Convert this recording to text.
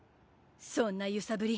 そんなゆさぶり